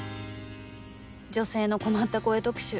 「女性の困った声特集」